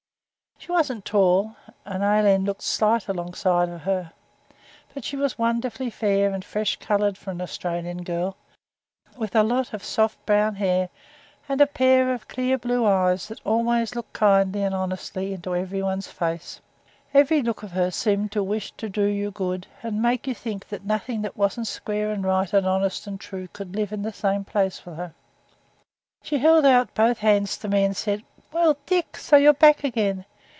She wasn't tall, and Aileen looked slight alongside of her; but she was wonderful fair and fresh coloured for an Australian girl, with a lot of soft brown hair and a pair of clear blue eyes that always looked kindly and honestly into everybody's face. Every look of her seemed to wish to do you good and make you think that nothing that wasn't square and right and honest and true could live in the same place with her. She held out both hands to me and said 'Well, Dick, so you're back again.